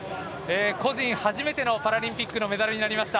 個人初めてのパラリンピックのメダルになりました。